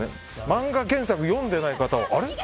漫画原作を読んでない方はあれ？